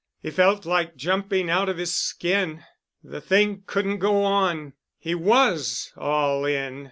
He felt like jumping out of his skin. The thing couldn't go on. He was "all in."